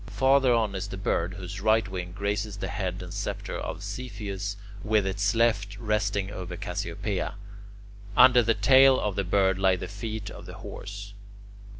Farther on is the Bird, whose right wing grazes the head and sceptre of Cepheus, with its left resting over Cassiopea. Under the tail of the Bird lie the feet of the Horse.